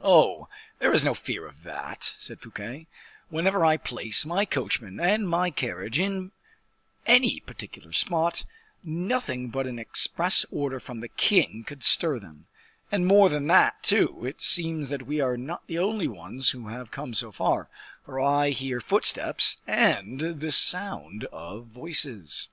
"Oh, there is no fear of that," said Fouquet; "whenever I place my coachman and my carriage in any particular spot, nothing but an express order from the king could stir them; and more than that, too, it seems that we are not the only ones who have come so far, for I hear footsteps and the sound of voices."